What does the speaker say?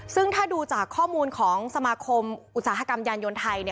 ซึ่งถ้าดูจากข้อมูลของสมาคมอุตสาหกรรมยานยนต์ไทย